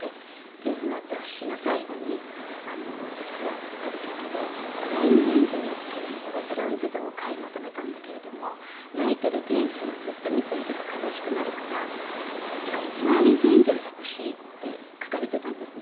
でその雑誌の最後に「実は旅先でクライングエンジェルっていうのをブロンズ像を買い求めたんだけれども泣いている天使をずっと見ていると悲しくなるからいわゆるスマイリングエンジェルが欲しい」って書かれていたんですね。